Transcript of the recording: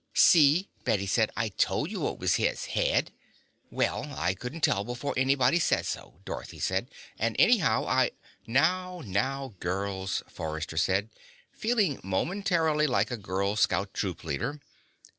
"See?" Bette said. "I told you it was his head." "Well, I couldn't tell before anybody said so," Dorothy said. "And anyhow, I " "Now, now, girls," Forrester said, feeling momentarily like a Girl Scout troop leader.